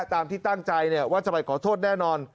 ตามที่ตั้งใจว่าจะไปขอโทษแน่นอน